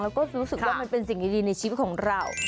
แล้วก็รู้สึกว่ามันเป็นสิ่งดีในชีวิตของเรา